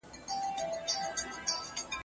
ته به زیارت یې د شهیدانو